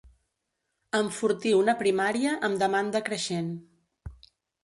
Enfortir una primària amb demanda creixent.